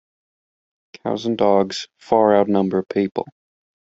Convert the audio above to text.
Cows and dogs far outnumber people.